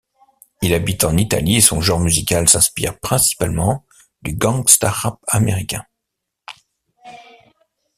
Il habite en Italie et son genre musical s'inspire principalement du gangsta rap américain.